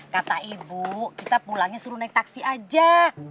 kata ibu kita pulangnya suruh naik taksi aja